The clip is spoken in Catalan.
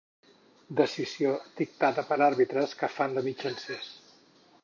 Decisió dictada per àrbitres que fan de mitjancers.